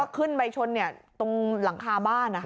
แล้วก็ขึ้นไปชนเนี่ยตรงหลังคาบ้านนะ